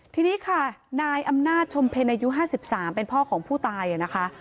ทีนี้ค่ะนายอำนาจชมเพ็ญอายุ๕๓เป็นพ่อของผู้ตายนะคะ